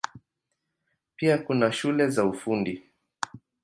Pia kuna shule za Ufundi.